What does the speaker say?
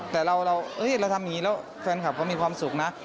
แต่เราเอ่ยเราทำงี้แล้วแฟนคัปเขามีความสุขนะ